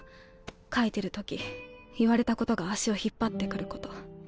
描いてるとき言われたことが足を引っ張ってくること。